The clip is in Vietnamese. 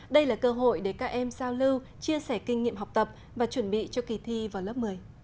đây là cơ hội để các em giao lưu chia sẻ kinh nghiệm học tập và chuẩn bị cho kỳ thi vào lớp một mươi